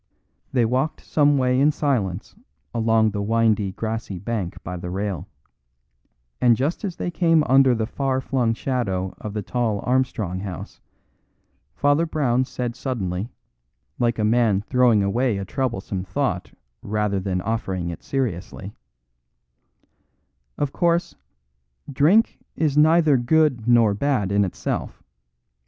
They walked some way in silence along the windy grassy bank by the rail, and just as they came under the far flung shadow of the tall Armstrong house, Father Brown said suddenly, like a man throwing away a troublesome thought rather than offering it seriously: "Of course, drink is neither good nor bad in itself.